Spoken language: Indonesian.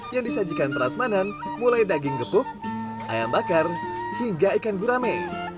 yang disajikan perasmanan mulai daging gepuk ayam bakar hingga ikan gurame